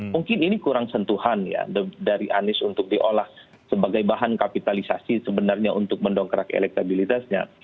mungkin ini kurang sentuhan ya dari anies untuk diolah sebagai bahan kapitalisasi sebenarnya untuk mendongkrak elektabilitasnya